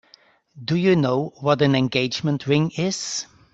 Do you know what an engagement ring is?